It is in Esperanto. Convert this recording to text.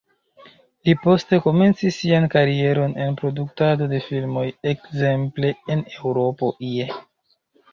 Li poste komencis sian karieron en produktado de filmoj, ekzemple en En Eŭropo ie.